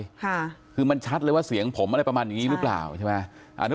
ค่ะคือมันชัดเลยว่าเสียงผมอะไรประมาณนี้รึเปล่าใช่ไหมอ่ะ